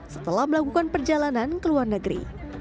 setelah melakukan perjalanan ke luar negeri